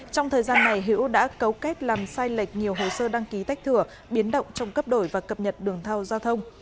trong thời gian này hữu đã cấu kết làm sai lệch nhiều hồ sơ đăng ký tách thừa biến động trong cấp đổi và cập nhật đường thào giao thông